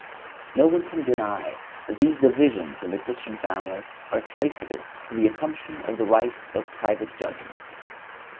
No one can deny that these divisions in the Christian family are traceable to the assumption of the right of private judgment.